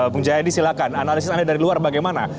bung jayadi silahkan analisis anda dari luar bagaimana